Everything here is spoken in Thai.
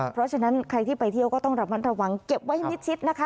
เพราะฉะนั้นใครที่ไปเที่ยวก็ต้องระมัดระวังเก็บไว้มิดชิดนะคะ